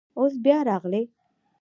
اوس بیا راغلی.